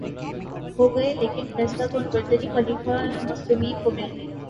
ہوگئے لیکن فیصلہ کن برتری خلیفتہ المسلمین کو مل گئ